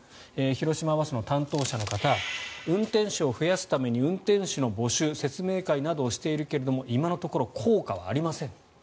広島バスの担当者の方運転手を増やすために運転手の募集、説明会などをしているけれど今のところ効果はありません。